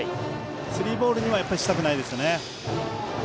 スリーボールにはしたくないです。